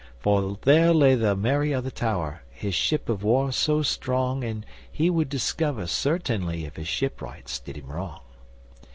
For there lay the MARY OF THE TOWER, his ship of war so strong, And he would discover, certaynely, if his shipwrights did him wrong.